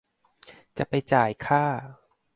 จะไปจ่ายค่า